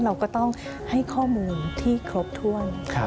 เราก็ต้องให้ข้อมูลที่ครบถ้วน